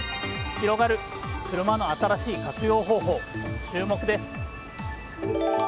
広がる車の新しい活用方法注目です。